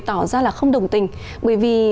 tỏ ra là không đồng tình bởi vì